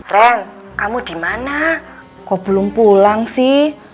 ren kamu dimana kok belum pulang sih